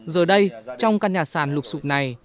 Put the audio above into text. giờ đây trong căn nhà sàn lục sụp này